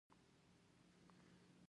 اوړي د افغانستان د موسم د بدلون سبب کېږي.